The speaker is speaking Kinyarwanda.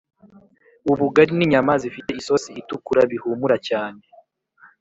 ubugari ni nyama zifite isosi itukura bihumura cyane.